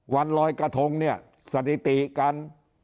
วันลอยกระทงเนี่ยสถิติการ